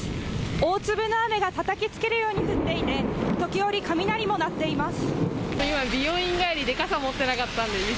大粒の雨がたたきつけるように降っていて時折、雷も鳴っています。